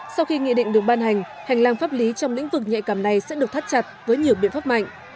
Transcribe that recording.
sau khi nghị định được ban hành hành lang pháp lý trong lĩnh vực nhạy cảm này sẽ được thắt chặt với nhiều biện pháp mạnh